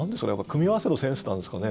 組み合わせのセンスなんですかね。